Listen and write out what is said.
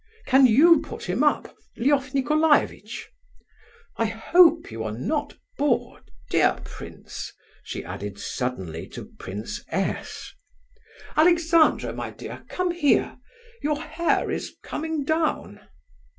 Can you put him up, Lef Nicolaievitch? I hope you are not bored, dear prince," she added suddenly to Prince S. "Alexandra, my dear, come here! Your hair is coming down."